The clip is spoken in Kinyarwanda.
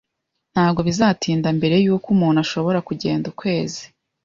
Ntabwo bizatinda mbere yuko umuntu ashobora kugenda ukwezi